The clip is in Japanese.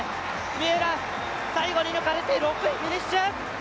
三浦、最後に抜かれて６位フィニッシュ。